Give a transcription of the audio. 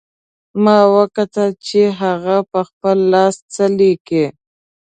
ما وکتل چې هغه په خپل لاس څه لیکي